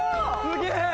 すげえ！